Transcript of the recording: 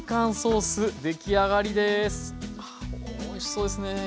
おいしそうですね。